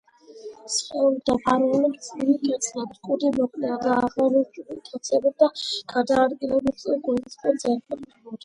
სხეული დაფარული აქვთ წვრილი ქერცლებით, კუდი მოკლეა და აღჭურვილია ქაცვებით, გადაადგილებისას გველი კუდს ეყრდნობა.